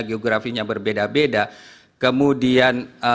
geografinya berbeda beda kemudian